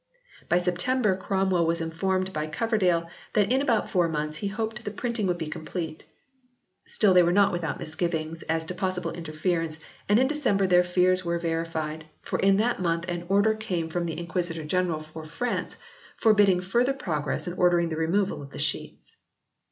By September Cromwell was informed by Coverdale that in about four months he hoped the printing would be complete. Still they were not without mis givings as to possible interference and in December their fears were verified, for in that month an Order came from the Inquisitor General for France, for bidding further progress and ordering the removal of the sheets.